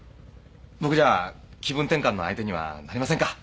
僕じゃ気分転換の相手にはなりませんか？